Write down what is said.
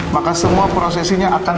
maka semua prosesinya akan